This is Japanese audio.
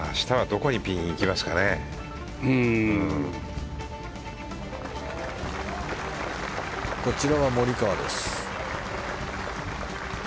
こちらはモリカワです。